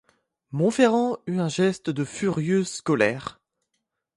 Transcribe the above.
Monferrand eut un geste de furieuse colère.